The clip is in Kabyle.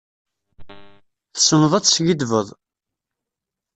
Tessneḍ ad teskiddbeḍ.